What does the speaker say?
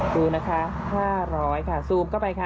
ดูนะคะ๕๐๐ค่ะซูมเข้าไปค่ะ